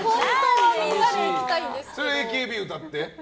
そこでＡＫＢ歌って？